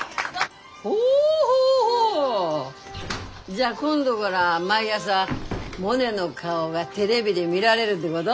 じゃあ今度がら毎朝モネの顔がテレビで見られるってごど？